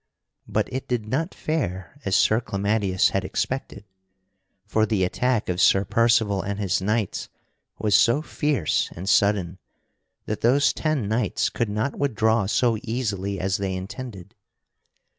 [Sidenote: Sir Percival doeth great battle] But it did not fare as Sir Clamadius had expected; for the attack of Sir Percival and his knights was so fierce and sudden that those ten knights could not withdraw so easily as they intended.